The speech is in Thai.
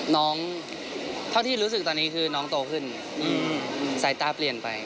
เท่าที่รู้สึกตอนนี้คือน้องโตขึ้นสายตาเปลี่ยนไป